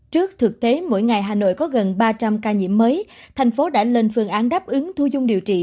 trước thực tế mỗi ngày hà nội có gần ba trăm linh ca nhiễm mới thành phố đã lên phương án đáp ứng thu dung điều trị